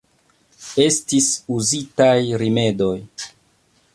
Estis uzitaj rimedoj.